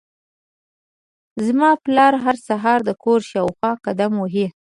زما پلار هر سهار د کور شاوخوا قدم وهي.